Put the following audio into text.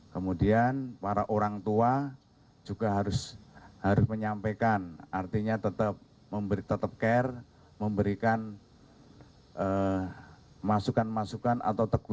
kemudian ada yang membakar kan gitu